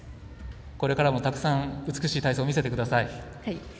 これからも、たくさん美しい体操、見せてください。